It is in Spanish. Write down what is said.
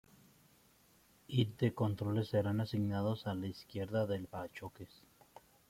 It de controles serán asignados a la izquierda del parachoques.